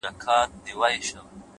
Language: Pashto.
راسه دوې سترگي مي دواړي درله دركړم ـ